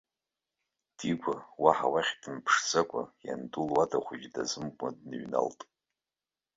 Дигәа, уаҳа уахь дымԥшӡакәа, ианду луада хәыҷы дазымкуа дныҩналт.